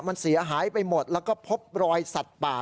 มันเสียหายไปหมดแล้วก็พบรอยสัตว์ป่า